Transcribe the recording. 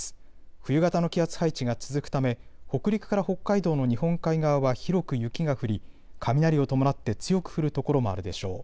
冬型の気圧配置が続くため北陸から北海道の日本海側は広く雪が降り雷を伴って強く降る所もあるでしょう。